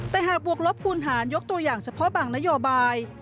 แต่หากบวกลบคูณหารยกตัวอย่างเฉพาะบางนโยบาย